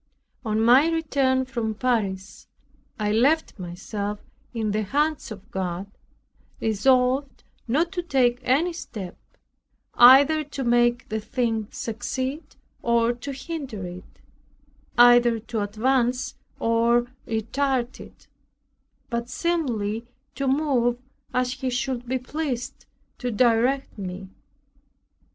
On my return from Paris, I left myself in the hands of God, resolved not to take any step, either to make the thing succeed or to hinder it, either to advance or retard it, but singly to move as He should be pleased to direct me.